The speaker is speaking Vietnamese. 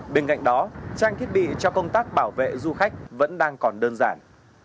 bên cạnh đó trang thiết bị cho công tác bảo vệ du khách vẫn đang còn đơn giản